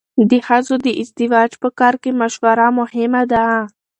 د ښځو د ازدواج په کار کې مشوره مهمه ده.